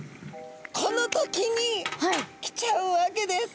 この時に来ちゃうわけです。